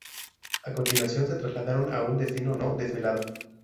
A continuación se trasladaron a un destino no desvelado.